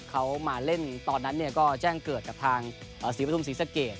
เขามาเล่นตอนนั้นก็แจ้งเกิดกับทางศรีปฐุมศรีสะเกด